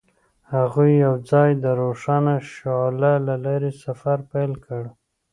هغوی یوځای د روښانه شعله له لارې سفر پیل کړ.